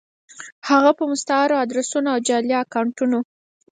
هفه په مستعارو ادرسونو او جعلي اکونټونو